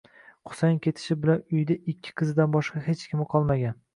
Husayin ketishi bilan uyda ikki qizidan boshqa hech kimi qolmagan